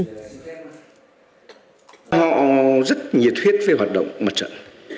họ rất nhiệt huyết về hoạt động mặt trận